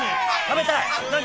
食べたい！何？